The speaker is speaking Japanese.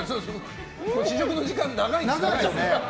試食の時間長いですからね。